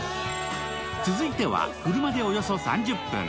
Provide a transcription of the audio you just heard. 続いては、車でおよそ３０分。